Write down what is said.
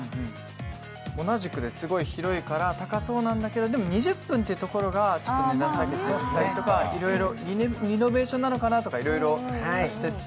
同じくすごい広いから高そうなんだけど、でも２０分というところがちょっと、リノベーションなのかなとかいろいろ足していって。